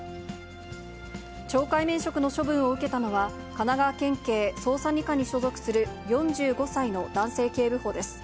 懲戒免職の処分を受けたのは神奈川県警捜査２課に所属する４５歳の男性警部補です。